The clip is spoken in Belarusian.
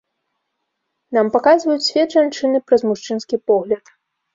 Нам паказваюць свет жанчыны праз мужчынскі погляд.